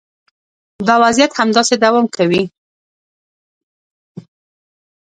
دا وضعیت همداسې دوام کوي.